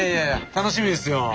楽しみですよ。